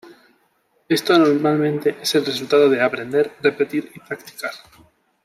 Esto normalmente es el resultado de aprender, repetir, y practicar.